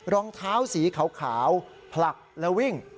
รองเท้าสีขาวผลักแล้ววิ่ง